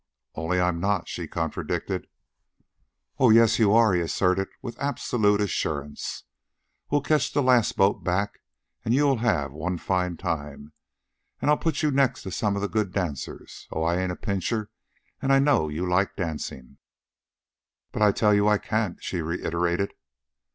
"Only I'm not," she contradicted. "Oh, yes you are," he asserted with absolute assurance. "We'll catch the last boat back, an' you'll have one fine time. An' I'll put you next to some of the good dancers. Oh, I ain't a pincher, an' I know you like dancin'." "But I tell you I can't," she reiterated.